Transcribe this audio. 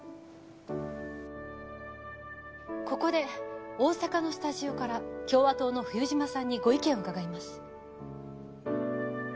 ここで大阪のスタジオから共和党の冬島さんにご意見を伺います。